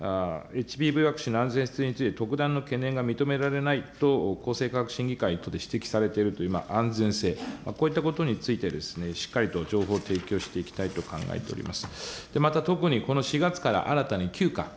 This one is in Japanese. またＨＰＶワクチンの安全性について特段の懸念が認められないと厚生各審議会等で指摘されている安全性、こういったことについて、しっかりと情報を提供していきたいと考えております。